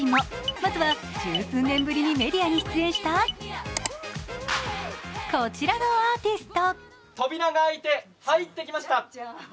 まずは十数年ぶりにメディアに出演したこちらのアーティスト。